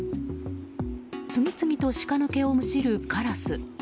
次々とシカの毛をむしるカラス。